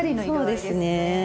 そうですね。